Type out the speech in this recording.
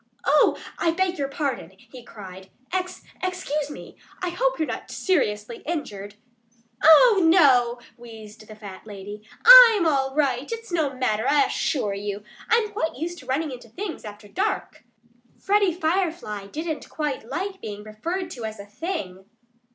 "Oh! I beg your pardon!" he cried. "Ex excuse me! I hope you're not seriously injured?" "Oh, no!" wheezed the fat lady. "I'm all right. It's no matter, I assure you. I'm quite used to running into things after dark." Freddie Firefly didn't quite like being referred to as a THING.